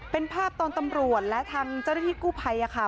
เป็นภาพตอนตำรวจและทางเจ้าหน้าที่กู้ภัยค่ะ